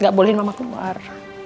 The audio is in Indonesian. gak bolehin mama keluar